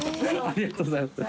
ありがとうございます。